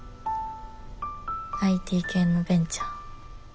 ＩＴ系のベンチャー。